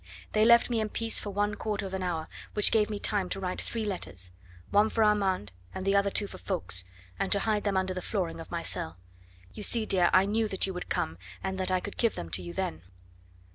They left me in peace for one quarter of an hour, which gave me time to write three letters one for Armand and the other two for Ffoulkes, and to hide them under the flooring of my cell. You see, dear, I knew that you would come and that I could give them to you then."